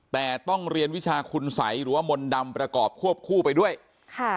แต่ต้องเรียนวิชาคุณสัยหรือว่ามนต์ดำประกอบควบคู่ไปด้วยค่ะ